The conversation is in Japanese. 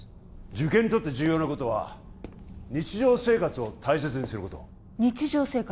受験にとって重要なことは日常生活を大切にすること日常生活？